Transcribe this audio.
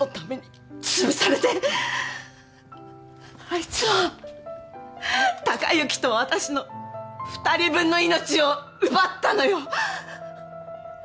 あいつは貴之と私の２人分の命を奪ったのよ！